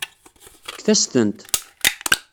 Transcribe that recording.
Fket-as-tent.